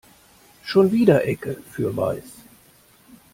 Schon wieder Ecke für weiß.